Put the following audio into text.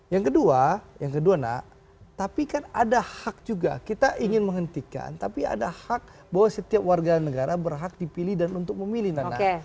yang kedua yang kedua nak tapi kan ada hak juga kita ingin menghentikan tapi ada hak bahwa setiap warga negara berhak dipilih dan untuk memilih nana